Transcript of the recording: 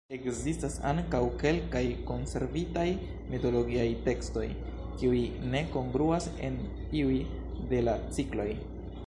Ekzistas ankaŭ kelkaj konservitaj mitologiaj tekstoj kiuj ne kongruas en iuj de la cikloj.